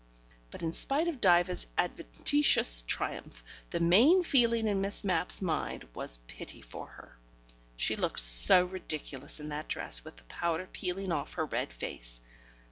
... But in spite of Diva's adventitious triumph, the main feeling in Miss Mapp's mind was pity for her. She looked so ridiculous in that dress with the powder peeling off her red face.